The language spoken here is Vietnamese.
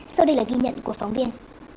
sau đây là ghi nhận của phóng viên